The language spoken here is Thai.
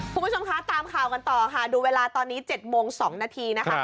คุณผู้ชมคะตามข่าวกันต่อค่ะดูเวลาตอนนี้๗โมง๒นาทีนะคะ